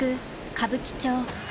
［歌舞伎町］